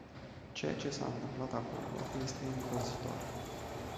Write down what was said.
Ceea ce s-a întâmplat acolo este îngrozitor.